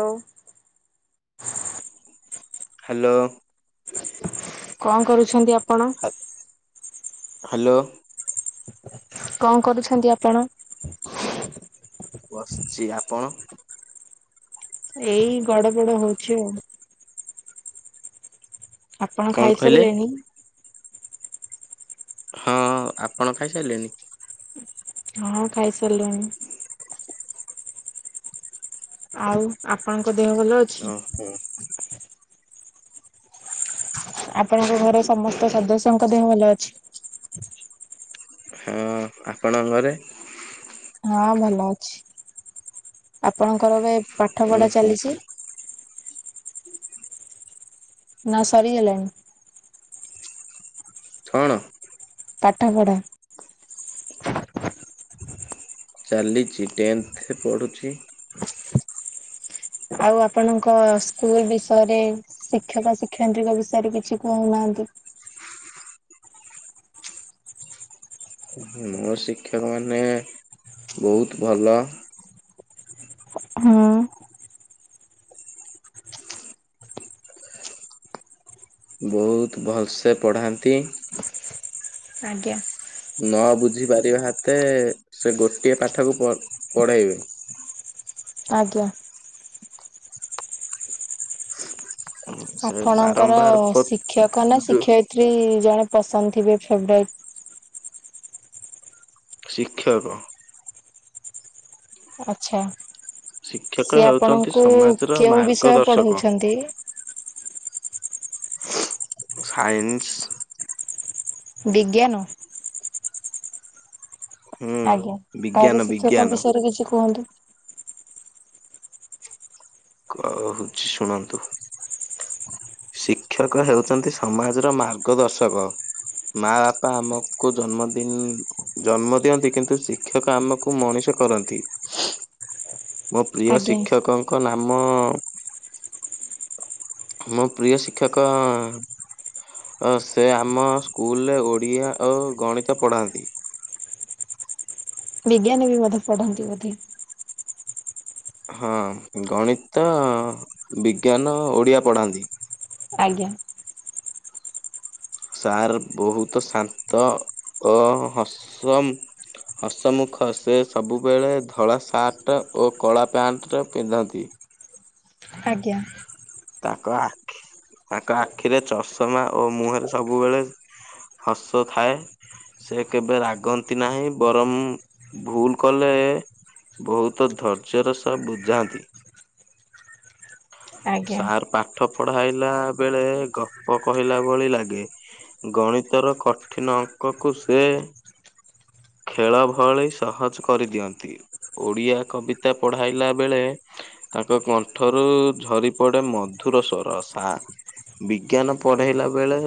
ଲୋ। Hello. କଣ କରୁଛନ୍ତି ଆପଣ? ହ୍ୟାଲୋ। କଣ କରୁଛନ୍ତି ଆପଣ? ବସିଛି। ଆପଣ? ଏଇ ଗଡ ବଡ ହଉଛି ଆଉ। ଆପଣ କଣ କହିଲେ ଖାଇସାରିଲେଣି? ହଁ ଆପଣ ଖାଇସାରିଲେଣିି ହଁ ଖାଇ ସାରିଲୁଣି। ଆଉ ଆପଣଙ୍କ ଦେହ ଭଲ ଅଛି। ଓହୋ। ଆପଣଙ୍କ ଘରର ସମସ୍ତ ସଦସ୍ୟଙ୍କ ଦେହ ଭଲ ଅଛି। ହଁ ଆପଣ ଘରେ ହଁ ଭଲ ଅଛି ଆପଣଙ୍କର ଏବେ ପାଠ ଉଁ ପଢ଼ା ହୁଁ ଚାଲିଛି। [unintelligible] ନା ସରିଗଲେ ଛଣ ପାଠପଢା ଚାଲିଛି ଟେନ୍ଥେ ପଢୁଛି। ଆଉ ଆପଣଙ୍କ ସ୍କୁଲ ବିଷୟରେ ଶିକ୍ଷକ ଶିକ୍ଷୟିତ୍ରୀଙ୍କ ବିଷୟରେ କିଛି କହୁନାହାନ୍ତି। [unintelligible] ମୋ ଶିକ୍ଷକ ମାନେ ବୋହୁତ୍ ଭଲ। ହଁ। ବହୁତ ଭଲସେ ପଢ଼ାନ୍ତି। ଆଜ୍ଞା। ନ ବୁଝି ପାରିବା ହାତେ ସେ ଗୋଟିଏ ପାଠକୁ ପ ପଢେଇବେ। ଆଜ୍ଞା। ସେ ଆପଣଙ୍କର ବାରମ୍ବାର ପ ଶିକ୍ଷକ ନା ଯୋଉ ଶିକ୍ଷୟିତ୍ରୀ ଜଣେ ପସନ୍ଦ ଥିବେ ଫେବରାଇଟ୍ ଶିକ୍ଷକ ଆଛା। ଶିକ୍ଷକ ସିଏ ହେଉଛନ୍ତି ଆପଣଙ୍କୁ ସମାଜର କେଉଁ ବିଷୟ ମାର୍ଗଦର୍ଶକ ପଢଉଛନ୍ତି। ସାଇନ୍ସି ବିଜ୍ଞାନ ହୁଁ ଆଜ୍ଞା ତାହେଲେ ବିଜ୍ଞାନ ଶିକ୍ଷକଙ୍କ ବିଜ୍ଞାନ ବିଷୟରେ କିଛି କୁହନ୍ତୁ। କଉଛି ଶୁଣନ୍ତୁ ଶିକ୍ଷକ ହେଉଛନ୍ତି ସମାଜର ମାର୍ଗ ଦର୍ଶକ। ମା ବାପା ଆମକୁ ଜନ୍ମଦିନ୍ ଜନ୍ମ ଦିଅନ୍ତି କିନ୍ତୁ ଶିକ୍ଷକ ଆମକୁ ମଣିଷ କରନ୍ତି। [unintelligible] ମୋ ପ୍ରିୟ ଆଜ୍ଞା ଶିକ୍ଷକଙ୍କ ନାମ ମୋ ପ୍ରିୟ ଶିକ୍ଷକ ସେ ଆମ ସ୍କୁଲରେ ଓଡ଼ିଆ ଓ ଗଣିତ ପଢ଼ାନ୍ତି। ବିଜ୍ଞାନୀ ବି ବୋଧେ ପଢାନ୍ତି ବୋଧେ ହଁ ଗଣିତ ବିଜ୍ଞାନ ଓଡ଼ିଆ ପଢ଼ାନ୍ତି। ଆଜ୍ଞା। ସାର ବହୁତ ଶାନ୍ତ ଓ ହସ। ହସମୁଖ ସେ ସବୁବେଳେ ଧଳା ସାର୍ଟ ଓ କଳା ପ୍ୟାଣ୍ଟ ପିନ୍ଧନ୍ତି। ଆଜ୍ଞା। ତାଙ୍କ ଆଖି ତାଙ୍କ ଆଖିରେ ଚଷମା ଓ ମୁହଁରେ ସବୁବେଳେ ଶସ ଥାଏ। ସେ କେବେ ରାଗନ୍ତି ନାହିଁ ବରଂ ଭୁଲ କଲେ ବହୁତ ଧୈର୍ଯ୍ୟର ସହ ବୁଝାନ୍ତି ଆଜ୍ଞା ସାର ପାଠ ପଢାଇଲା ବେଳେ ଗପ କହିଲା ଭଳି ଲାଗେ ଗଣିତର କଠିନ ଅଙ୍କକୁ ସେ ଖେଳ ଭଳି ସହଜ କରିଦିଅନ୍ତି। ଓଡିଆ କବିତା ପଢାଇଲା ବେଳେ ତାଙ୍କ କ ଠରୁ ଝରି ପଡେ ମଧୁର ସରସା ବିଜ୍ଞାନ ପଢେଇଲା ବେଳେ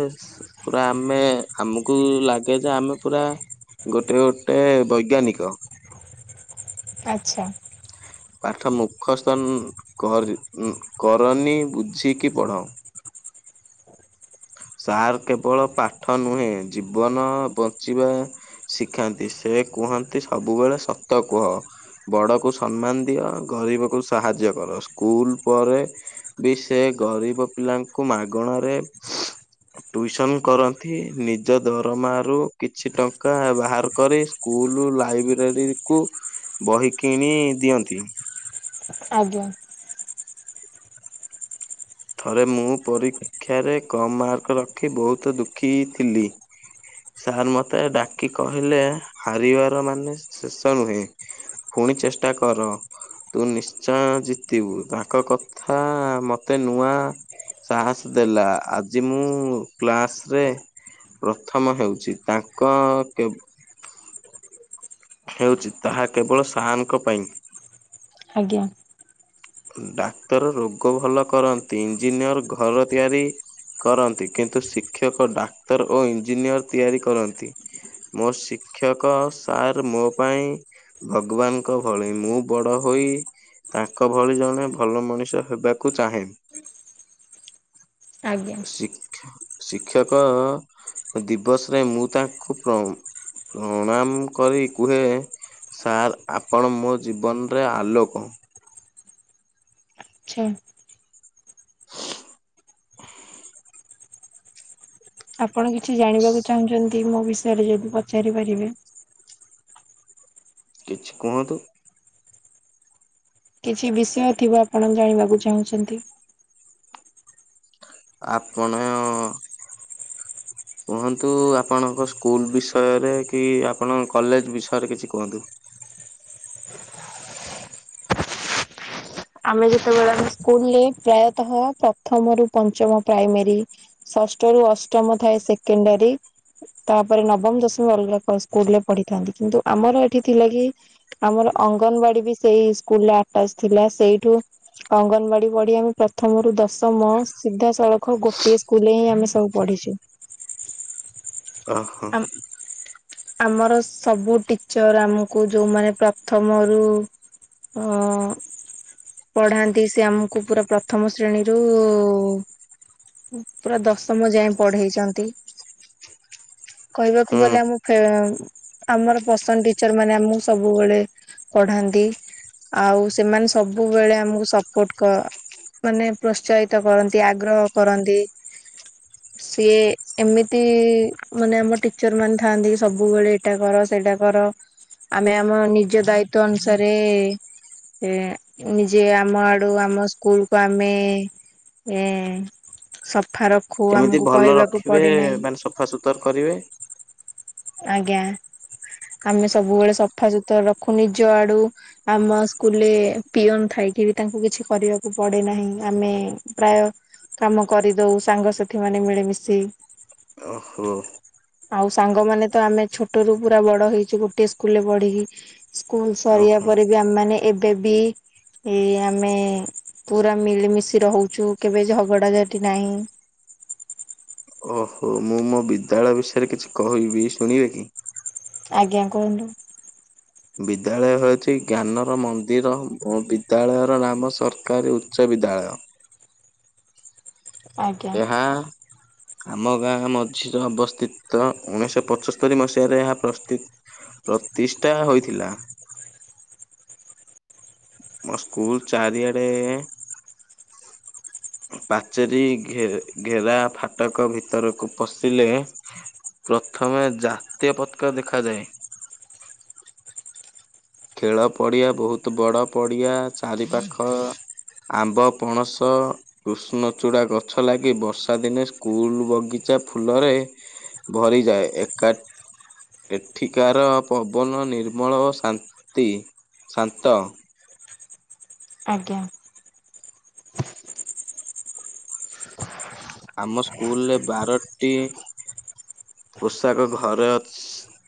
ପୁରା ଆମେ ଆମକୁ ଲାଗେ ଯେ ଆମେ ପୁରା ଗୋଟେ ଗୋଟେ ବୈଜ୍ଞାନିକ ଆଚ୍ଛା ପାଠ ମୁଖସ୍ଥ କରନି ବୁଝିକି ପଢ। ସାର କେବଳ ପାଠ ନୁହେଁ ଜୀବନ ବଞ୍ଚିବା ଶିଖନ୍ତି ସେ କୁହନ୍ତି ସବୁବେଳେ ସତ କୁହ। ବଡ କୁ ସମ୍ମାନ ଦିଅ ଗରିବ କୁ ସାହାଯ୍ୟ କର ସ୍କୁଲ ପରେ ବି ସେ ଗରିବ ପିଲାଙ୍କୁ ମାଗଣାରେ [inaudible] ଟ୍ୟୁସନ କରନ୍ତି ନିଜ ଦରମାରୁ କିଛି ଟଙ୍କା ବାହାର କରି ସ୍କୁଲ ଲ ଲାଇବ୍ରେରୀ କୁ ବହି କିଣି ଦିଅନ୍ତି। ଆଜ୍ଞା ଥରେ ମୁଁ ପରୀକ୍ଷାରେ କମ୍ ମାର୍କ ରଖି ବହୁତ ଦୁଃଖୀ ଥିଲି। ସାର୍ ମତେ ଡାକି କହିଲେ ହାରିବାର ମାନେ ଶେଷ ନୁହେଁ। ପୁଣି ଚେଷ୍ଟା କର। ତୁ ନିଶ୍ଚୟ ଜିତିବୁ ତାଙ୍କ କଥା ମତେ ନୂଆ ସାହସ ଦେଲା ଆଜି ମୁଁ କ୍ଲାସ ରେ ପ୍ରଥମ ହେଉଛି ତାଙ୍କ କେ [inaudible] ହେଉଛି ତାହା କେବଳ ସାର ଙ୍କ ପାଇଁ ଆଜ୍ଞା ଡାକ୍ତର ରୋଗ ଭଲ କରନ୍ତି ଇଞ୍ଜିନିୟର ଘର ତିଆରି କରନ୍ତି କିନ୍ତୁ ଶିକ୍ଷକ ଡାକ୍ତର ଓ ଇଞ୍ଜିନିୟର ତିଆରି କରନ୍ତି ମୋ ଶି ଶିକ୍ଷକ ସାର୍ ମୋ ପାଇଁ ଭଗବାନଙ୍କ ଭଳି ମୁଁ ବଡ ହୋଇ ତାଙ୍କ ଭଳି ଜଣେ ଭଲ ମଣିଷ ହେବାକୁ ଚାହେଁ। ଆଜ୍ଞା ଶିକ୍ଷକ ଦିବସରେ ମୁଁ ତାଙ୍କୁ ପ୍ରଣାମ କରି କୁହେ ସାର ଆପଣ ମୋ ଜୀବନରେ ଆଲୋକ। ହ [unintelligible] ଆପଣ କିଛି ଜାଣିବାକୁ ଚାହୁଁଛନ୍ତି ମୋ ବିଷୟରେ ଯଦି ପଚାରି ପାରିବେ? କିଛି କୁହନ୍ତୁ? କିଛି ବିଷୟ ଥିବ ଆପଣ ଜାଣିବାକୁ ଚାହୁଁଛନ୍ତି? ଆପଣ କୁହନ୍ତୁ ଆପଣଙ୍କ ସ୍କୁଲ ବିଷୟରେ କି ଆପଣ କଲେଜ ବିଷୟରେ କିଛି କୁହନ୍ତୁ? ହ [inaudible] ଆମେ ଯେତେବେଳେ ଆମ ସ୍କୁଲରେ ପ୍ରାୟତଃ ପ୍ରଥମ ରୁ ପଞ୍ଚମ ପ୍ରାଇମେରୀ ଷଷ୍ଠରୁ ରୁ ଅଷ୍ଟମ ଥାଏ ସେକେଣ୍ଡାରୀ ତାପରେ ନବମ ଦଶମ ଅଲଗା କ ସ୍କୁଲରେ ପଢିଥାନ୍ତି। କିନ୍ତୁ ଆମର ଏଠି ଥିଲା କି ଆମର ଅଙ୍ଗନବାଡି ବି ସେଇ ସ୍କୁଲରେ ଆଟାଚ ଥିଲା! ସେଇଠୁ ଅଙ୍ଗନବାଡି ପଢି ଆମେ ପ୍ରଥମରୁୁ ଦଶମ ସିଧାସଳଖ ଗୋଟିଏ ସ୍କୁଲରେ ହିଁ ଆମେ ସବୁ ପଢିଛୁ। [inaudible] ଓ ହୋ। ଆମ ଆମର ସବୁ ଟିଚର ଆମକୁ ଯୋଉମାନେ ପ୍ରଥମ ରୁ ହଁ। ପଢାନ୍ତି, ସେ ଆମକୁ ପୁରା ପ୍ରଥମ ଶ୍ରେଣୀରୁ ପୁରା ଦଶମ ଯାଏ ପଢେଇଛନ୍ତି। କହିବାକୁ ହୁଁ ଗଲେ ଆମୁ ଫେ ଆମର ପସନ୍ଦ ଟିଚର ମାନେ ଆମକୁ ସବୁବେଳେ ପଢାନ୍ତି। ଆଉ ସେମାନେ ସବୁବେଳେ ଆମକୁ ସପୋର୍ଟ କ ମାନେ ପ୍ରୋତ୍ସାହିତ କରନ୍ତି ଆଗ୍ରହ କରନ୍ତି। ସିଏ ଏମିତି ମାନେ ଆମ ଟିଚର ମାନେ ଥାଆନ୍ତି ସବୁବେଳେ ଏଇଟା କର ସେଇଟା କର। ଆମେ ଆମ ନିଜ ଦାୟିତ୍ୱ ଅନୁସାରେ ଏ ନିଜେ ଆମ ଆଡୁ ଆମ ସ୍କୁଲ କୁ ଆମେ ଏ ସଫା ର ଯେମିତି ଭଲ ରଖିବେ ମାନେ ସଫା ସୁତୁରା କରିବେ। ଆଜ୍ଞା। ଆମେ ସବୁବେଳେ ସଫାସତୁରା ରଖୁ ନିଜ ଆଡୁ। ଆମ ସ୍କୁଲରେ ପିଅନ ଥାଏ। ଏଠି ବି ତାଙ୍କୁ କିଛି କରିବାକୁ ପଡେ ନାହିଁ। ଆମେ ପ୍ରାୟ କାମ କରିଦଉ ସାଙ୍ଗସାଥି ମାନେ ମିଳିମିଶି। ଓହୋ। ଆଉ ସାଙ୍ଗମାନେ ତ ଆମେ ଛୋଟ ରୁ ପୁରା ବଡ ହେଇଛୁ ଗୋଟେ ସ୍କୁଲ ରେ ପଢିକି। ସ୍କୁଲ ସରିବା ଓହୋ ପରେ ବି ଆମେମାନେ ଦେବି? ଏଇ ଆମେ ପୁରା ମିଳିମିଶି ରହୁଛୁ କେବେ ଝଗଡାଝାଟି ନାହିଁ। [inaudible] ଓହୋ ମୁଁ ମୋ ବିଦ୍ୟାଳୟ ବିଷୟରେ କିଛି କହିବି ଶୁଣିବେ କି? ଆଜ୍ଞା କୁହନ୍ତୁ। ବିଦ୍ୟାଳୟ ହଉଛି ଜ୍ଞାନର ମନ୍ଦିର! ଓ ବିଦ୍ୟାଳୟର ନାମ ସରକାରୀ ଉଚ୍ଚ ବି ଦ୍ୟାଳୟ ଆଜ୍ଞା। ଏହା ଆମ ଗାଁ ମଝିରେ ଅବସ୍ଥିତ ଉଣେଇଶ ପଞ୍ଚସ୍ତରୀ ମସିହାରେ ଏହା ପ୍ରସ୍ତୁ ପ୍ରତିଷ୍ଠା ହୋଇଥିଲା। ମୋ ସ୍କୁଲ ଚାରିଆଡେ [inaudible] ପାଚେରୀ ଘେ ଘେରା ଫାଟକ ଭିତରକୁ ପଶିଲେ ପ୍ରଥମେ ଜାତୀୟ ପତ୍କା ଦେଖାଯାଏ। [inaudible] ଖେଳ ପଡ଼ିଆ ବହୁତ ବଡ଼ ପଡ଼ିଆ ଚାରି ପାଖ ଆମ୍ବ ପଣସ କୃଷ୍ଣଚୂଡ଼ା ଗଛ ଲାଗି ବର୍ଷା ଦିନେ ସ୍କୁଲ ବଗି ଚା ଫୁଲରେ ଭରିଯାଏ। ଏକା ଏଠିକାର ପବନ ନିର୍ମଳ ଓ ସା ଶାନ୍ତି ଶାନ୍ତ। ଆଜ୍ଞା। ଆମ ସ୍କୁଲରେ ବାରଟି ହଁ। ପୋଷାକ ଘରେ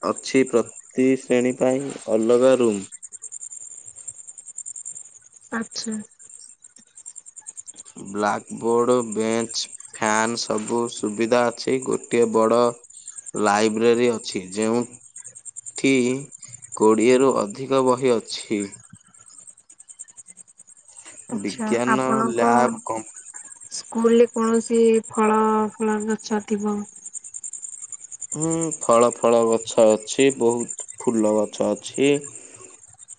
ଅଛି ପ୍ରତି ଶ୍ରେଣୀ ପାଇଁ ଅଲଗା ରୁମ୍ [inaudible] ଆଚ୍ଛା ବ୍ଲାକ୍ ବୋର୍ଡ ବେଞ୍ଚ ଫ୍ୟାନ୍ ସବୁ ସୁବିଧା ଅଛି ଗୋଟଏ ବଡ ଲାଇବ୍ରେରୀ ଅଛି ଯେଉ କୋଡ଼ିଏରୁ ଅଧିକ ବହି ଅଛି। ଆଛା ବିଜ୍ଞାନ ଆପଣଙ୍କ ଲ୍ୟାବ୍ କମ୍ପ ସ୍କୁଲ ରେ କୌଣସି ଫଳ ଫଳ ଗଛ ଥିବ। ହୁଁ ଫଳ ଫଳ ଗଛ ଅଛି ବହୁତ ଫୁଲ ଗଛ ଅଛି। [inaudible]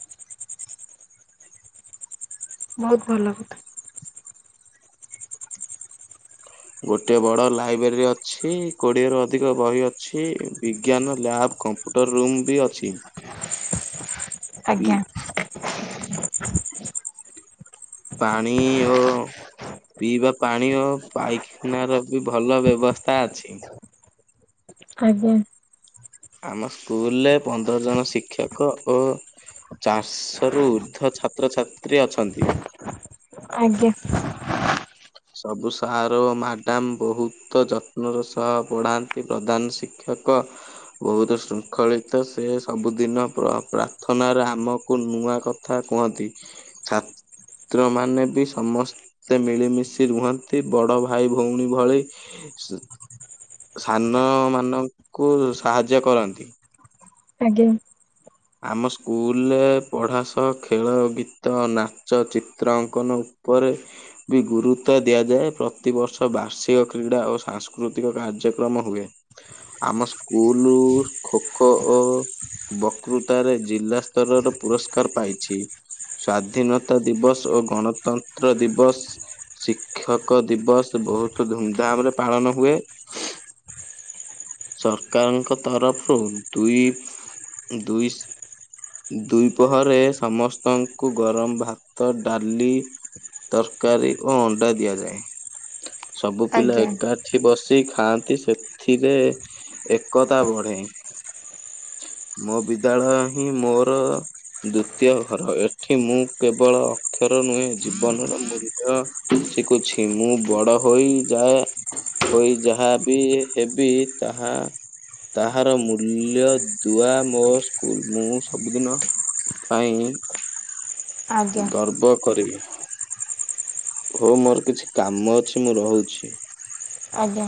ବହୁତ ଭଲ ଲାଗୁଥା ଗୋଟେ ବଡ ଲାଇବ୍ରେରୀ ଅଛି। କୋଡିଏରୁ ଅଧିକ ବହି ଅଛି। ବିଜ୍ଞାନ ଲ୍ୟାବ କମ୍ପ୍ୟୁଟର ରୁମ୍ ବି ଅଛି। ହଁ ହି- ପାଣି ଓ ପିଇବା ପାଣି ଓ ପାଇଖାନାର, ବି ଭଲ ବ୍ୟବସ୍ଥା ଅଛି। ଆଜ୍ଞା। ଆମ ସ୍କୁଲ ରେ ପନ୍ଦର ଜଣ ଶିକ୍ଷକ ଓ ଚାରିଶ ରୁ ଉର୍ଦ୍ଧ୍ୱ ଛାତ୍ରଛାତ୍ରୀ ଅଛନ୍ତି। ଆଜ୍ଞା। ସବୁ ସାର ଓ ମ୍ୟାଡାମ ବହୁତ ଯତ୍ନର ସହ ପଢାନ୍ତି। ପ୍ରଧାନ ଶିକ୍ଷ କଙ୍କ, ବହୁତ ଶୃଙ୍ଖଳିତ ସେ ସବୁଦିନ ପ୍ର- ପ୍ରାର୍ଥନାରେ ଆମକୁ ନୁ ନୂଆ କଥା କୁହନ୍ତି। ଛାତ୍ର, ମାନେ ବି ସମସ୍ତେ ମିଳିମିଶି ରୁହନ୍ତି ବଡ ଭାଇ, ଭଉଣୀ ଭଳି ସାନ ମାନଙ୍କୁ ସାହାଯ୍ୟ, କରନ୍ତି। ଆଜ୍ଞା। ଆମ ସ୍କୁଲରେ ପଢା ସହ ଖେଳ, ଗୀତ, ନାଚ, ଚିତ୍ର ଅଙ୍କନ ଉପରେ, ବି ଗୁରୁତ୍ୱ ଦିଆଯାଏ। ପ୍ରତିବର୍ଷ ବାର୍ଷିକ କ୍ରୀଡ଼ା ଓ ସାଂସ୍କୃତିକ କାର୍ଯ୍ୟ କାଯ୍ୟକ୍ରମ ହୁଏ। ଆମ ସ୍କୁଲ ଖୋ, ଖୋ ଓ ବ କୃତାରେ, ଜିଲ୍ଲା ସ୍ତରର ପୁରସ୍କାର ପାଇଛି। ସ୍ଵାଧୀନତା ଦିବସ ଓ ଗଣତନ୍ତ୍ର ଦିବସ, ଶିକ୍ଷକ ଦିବସ ବହୁତ ଧୁମଧାମ ରେ, ପାଳନ ହୁଏ। ହ ସରକାରଙ୍କ ତରଫରୁ ଦୁଇ, ଦୁଇ ଦୁିପହରେ ସମସ୍ତଙ୍କୁ ଗରମ ଭାତ, ଡାଲି ତରକାରୀ ଓ ଅଣ୍ଡା ଦିଆଯାଏ। ସବୁ ପିଲା ଆଜ୍ଞା ଏକାଠି ବସି ଖାଆନ୍ତି, ସେଥିରେ ଏକତା ବଢେ। ମୋ ବିଦ୍ୟାଳୟ ହିଁ, ମୋର ଦ୍ଵିତୀୟ ଘର। ଏଠି ମୁଁ, କେବଳ ଅକ୍ଷର ନୁହେଁ ଜୀବନର, ମୂଲ୍ୟ ଶିଖୁଛି, ମୁଁ ବଡ଼ ହୋଇଯାଏ, ହୋଇ ଯାହା ବି ହେବି ଯାହା ତାହାର ମୂଲ୍ୟ ଦୁଆ ମୋ ସ୍କୁଲ ମୁଁ, ସବୁଦିନ ପାଇଁ ଆଜ୍ଞା ଗର୍ବ କରିବି। ହୋଉ ମୋର କିଛି କାମ ଅଛି, ମୁଁ ରହୁଛି। ଆଜ୍ଞା।